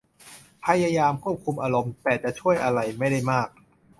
พยายามควบคุมอารมณ์แต่จะช่วยอะไรไม่ได้มาก